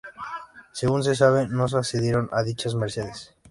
Según se sabe, no accedieron a dichas mercedes.